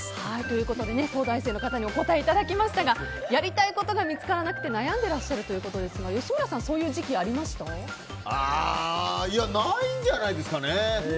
東大生の方にお答えいただきましたがやりたいことが見つからなくて悩んでらっしゃるということですが吉村さんいや、ないんじゃないですかね。